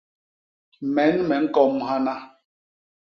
Men me ñkom hana!